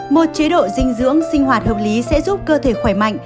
một chế độ dinh dưỡng sinh hoạt hợp lý sẽ giúp cơ thể khỏe mạnh